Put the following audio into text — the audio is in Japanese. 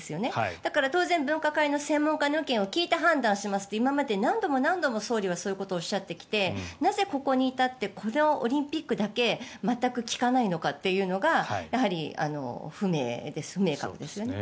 だから、当然分科会の専門家の意見を聞いて判断しますと今まで何度も何度も総理はそういうことをおっしゃってきてなぜここに至ってこのオリンピックだけ全く聞かないのかというのが不明確ですよね。